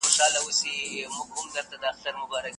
د سوات په غرونو کې اوس د واورې موسم پیل دی.